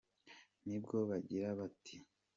nibwo bagira bati